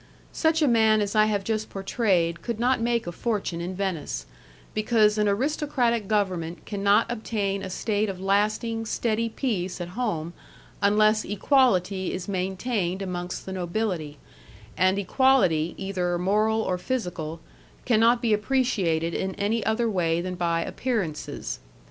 Such a man as I have just portrayed could not make a fortune in Venice, because an aristocratic government can not obtain a state of lasting, steady peace at home unless equality is maintained amongst the nobility, and equality, either moral or physical, cannot be appreciated in any other way than by appearances.